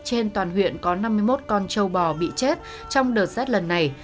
trên toàn huyện có năm mươi một con châu bò bị chết trong đợt rét lần này